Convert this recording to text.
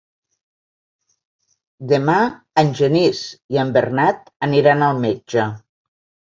Demà en Genís i en Bernat aniran al metge.